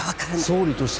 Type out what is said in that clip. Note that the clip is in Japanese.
総理として。